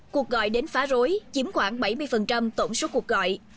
cuộc gọi đến phá rối chiếm khoảng bảy mươi tổng số cuộc gọi